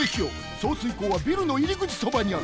送水口はビルのいりぐちそばにある。